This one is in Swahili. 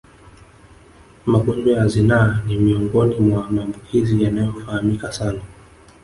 Magonjwa ya zinaa ni miongoni mwa maambukizi yanayofahamika sana